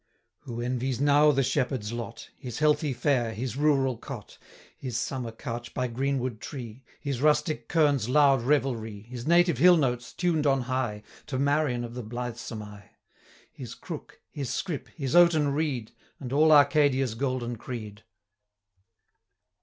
Who envies now the shepherd's lot, His healthy fare, his rural cot, His summer couch by greenwood tree, 100 His rustic kirn's loud revelry, His native hill notes, tuned on high, To Marion of the blithesome eye; His crook, his scrip, his oaten reed, And all Arcadia's golden creed?